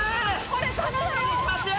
これ頼むよ！